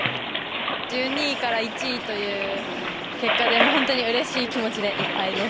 １２位から１位という結果で、もう本当にうれしい気持ちでいっぱいです。